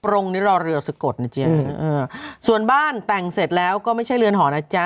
องค์นี้รอเรือสะกดนะจ๊ะส่วนบ้านแต่งเสร็จแล้วก็ไม่ใช่เรือนหอนะจ๊ะ